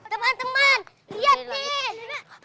teman teman lihat deh